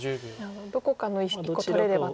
どこかの石１個取れればと。